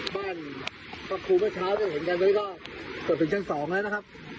บ้านครับครูเมื่อเช้าได้เห็นกันตรงนี้ก็ต้นถึงชั้น๒แล้วนะครับ